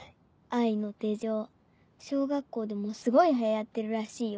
『愛の手錠』小学校でもすごい流行ってるらしいよ。